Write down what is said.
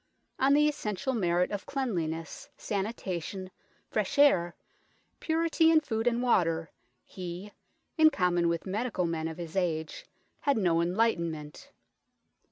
On the essential merit of cleanliness, sanitation, fresh air, purity in food and water, he, in common with medical men of his age, had no enlightenment.